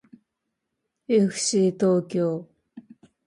えふしー東京